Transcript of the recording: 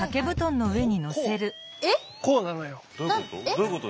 どういうこと？